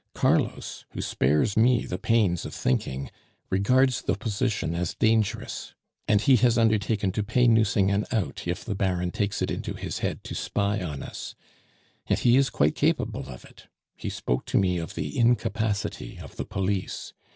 Carlos, who spares me the pains of thinking, regards the position as dangerous, and he has undertaken to pay Nucingen out if the Baron takes it into his head to spy on us; and he is quite capable of it; he spoke to me of the incapacity of the police.